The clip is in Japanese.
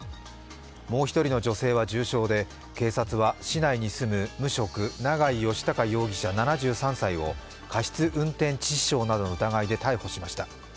もう１人の女性は重傷で小河原房子警察は市内に住む無職長井義孝容疑者７３歳を過失運転致死傷などの疑いで逮捕しました。